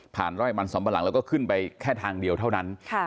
ไร่มันสำปะหลังแล้วก็ขึ้นไปแค่ทางเดียวเท่านั้น